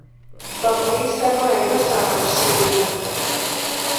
Ba muliisamaanyi basaana kusibibwa.